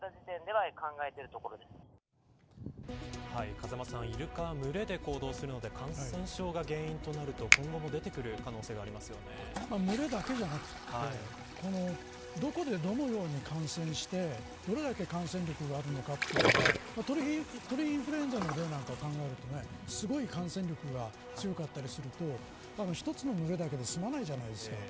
風間さんイルカは群れで行動するので感染症が原因となると今後も出てくる可能性が群れだけじゃなくてどこでどのように感染してどれだけ感染力があるのかというのが鳥インフルエンザの例も考えるとすごい感染力が強かったりすると１つの群れだけでは済まないじゃないですか。